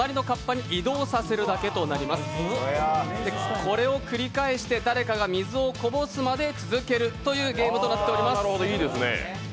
これを繰り返して誰かが水をこぼすまで続けるというゲームとなっております。